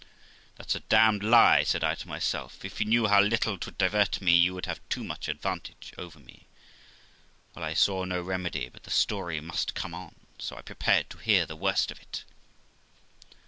* 'That's a damned lie', said I to myself; 'if you knew how little 'twould divert me, you would have too much advantage over me.' Well, I saw no remedy, but the story must come on, so I prepared to hear the worst of it.